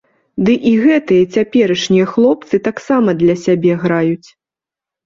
Ды і гэтыя цяперашнія хлопцы таксама для сябе граюць.